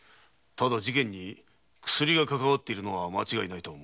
ただ事件に薬がかかわっているのは間違いないと思う。